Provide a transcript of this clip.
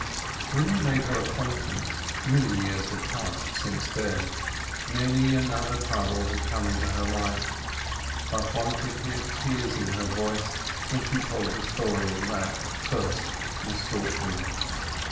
When we made her acquaintance, many years had passed since then, many another trouble had come into her life, but one could hear tears in her voice while she told the story of that first misfortune.